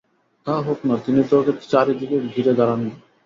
তা হোক-না, তিনি তো ওঁকে চারি দিকে ঘিরে দাঁড়ান নি।